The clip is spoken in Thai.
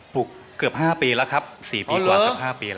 ปลูกเกือบ๔บาทกว่าครับ๕ปีแล้ว